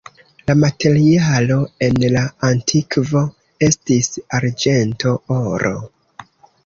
La materialo en la antikvo estis arĝento, oro.